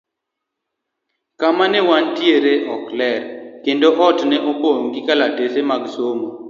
Kama ne wantie ne ok ler, kendo ot ne opong' gi kalatese mag somo.